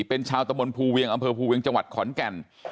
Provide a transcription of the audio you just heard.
เป็นชาวตะมนต์ภูเวียงอำเภอภูเวียงจังหวัดขอนแก่น